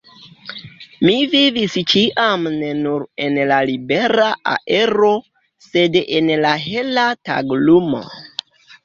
Mi vivis ĉiam ne nur en la libera aero, sed en la hela taglumo.